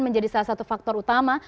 menjadi salah satu faktor utama